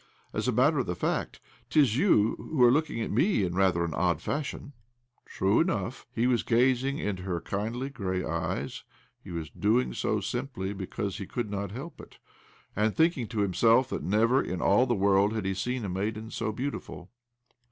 As a matter of fact, 'tis you who are looking at me in rather an odd fashion." OBLOMOV 175 True enough, he was gazing into her kindly, grey blue eyes — he was doing' so simply because he could not help it — and thinking to himself that never in all the world had he seen a maiden so beautiful.